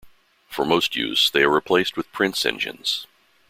For most use, they are replaced with Prince engines.